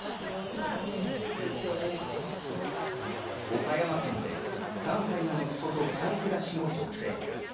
岡山県で３歳の息子と２人暮らしの女性。